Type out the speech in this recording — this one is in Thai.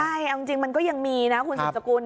ใช่เอาจริงมันก็ยังมีนะคุณสุดสกุล